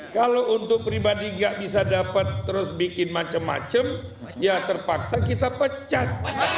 kalau untuk pribadi gak bisa dapat terus bikin macam macam ya terpaksa kita pecat